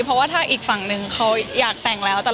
เพราะว่าถ้าอีกฝั่งหนึ่งเขาอยากแต่งแล้ว